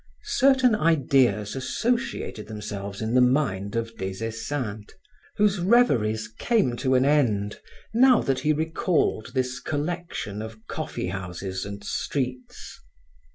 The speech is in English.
Certain ideas associated themselves in the mind of Des Esseintes, whose reveries came to an end, now that he recalled this collection of coffee houses and streets.